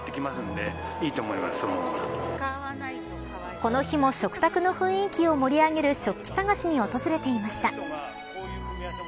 この日も食卓の雰囲気を盛り上げる食器探しに訪れていました。